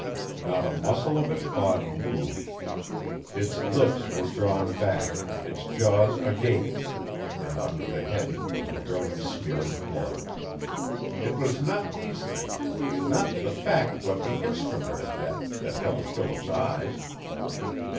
Not a muscle of its body moved. Its lips were drawn back, its jaws agape, and under the head was a growing smear of blood. It was not these things not the fact but the INSTRUMENT of death that held Philip's eyes.